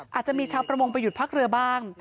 อาจจะมีชาวประมงไปหยุดพักเรือบ้าง